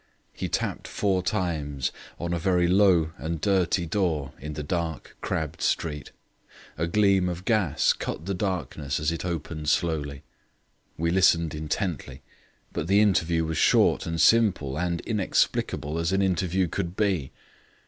He tapped four times on a very low and dirty door in the dark, crabbed street. A gleam of gas cut the darkness as it opened slowly. We listened intently, but the interview was short and simple and inexplicable as an interview could be.